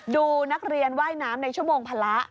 ดูนักเรียนว่ายน้ำในชั่วโมงพละ